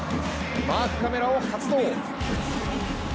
マークカメラを発動！